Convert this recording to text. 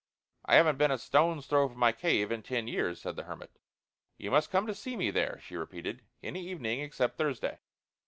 "I haven't been a stone's throw from my cave in ten years," said the hermit. "You must come to see me there," she repeated. "Any evening except Thursday."